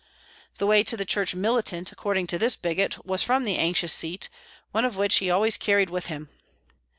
The way to the church militant, according to this bigot, was from the anxious seat, one of which he always carried with him.